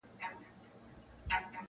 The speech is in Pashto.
د نسیم قاصد لیدلي مرغکۍ دي په سېلونو -